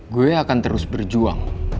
gue akan terus berjuang